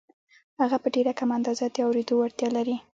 هغه په ډېره کمه اندازه د اورېدو وړتیا لري